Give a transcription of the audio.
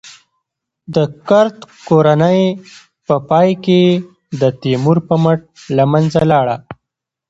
د کرت کورنۍ په پای کې د تیمور په مټ له منځه لاړه.